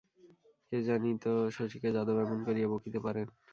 কে জানিত শশীকে যাদব এমন করিয়া বকিতে পারেন!